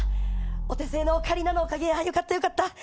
お手製のオカリナのおかげやよかったよかった。